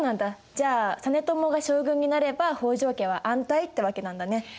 じゃあ実朝が将軍になれば北条家は安泰ってわけなんだね。